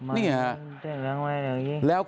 เนี่ยแล้วก็